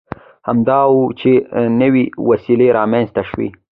همدا و چې نوې وسیلې رامنځته شوې.